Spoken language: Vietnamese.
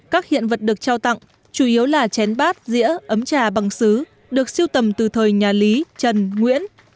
các hiện vật được trao tặng chủ yếu là chén bát dĩa ấm trà bằng xứ được siêu tầm từ thời nhà lý trần nguyễn